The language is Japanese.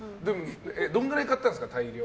どれぐらい買ったんですか？